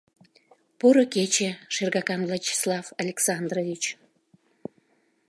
— Поро кече, шергакан Вячеслав Александрович.